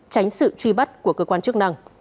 tránh sự truy bắt của cơ quan chức năng